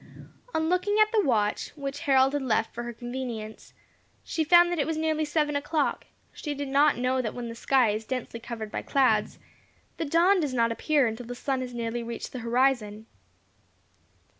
On looking at the watch, which Harold had left for her convenience, she found that it was nearly seven o'clock; she did not know that when the sky is densely covered by clouds, the dawn does not appear until the sun has nearly reached the horizon.